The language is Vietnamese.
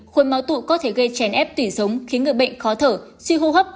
khối máu tụ có thể gây chèn ép tủy sống khiến người bệnh khó thở suy hô hấp